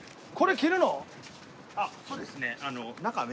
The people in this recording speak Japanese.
そうですね。